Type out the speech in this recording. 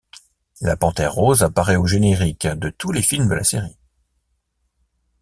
La Panthère rose apparaît au générique de tous les films de la série.